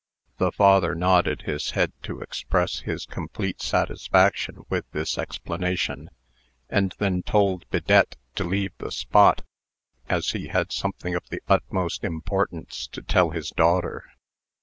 The father nodded his head to express his complete satisfaction with this explanation, and then told Bidette to leave the spot, as he had something of the utmost importance to tell his daughter.